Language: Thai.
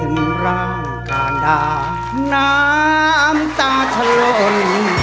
น้ำตาน้ำตาทะลน